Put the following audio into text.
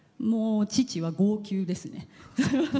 父は号泣ですね。